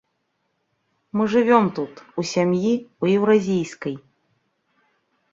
Мы жывём тут, у сям'і, у еўразійскай.